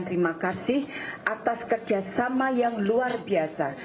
terima kasih atas kerjasama yang luar biasa